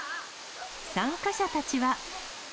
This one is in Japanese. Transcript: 参加者たちは。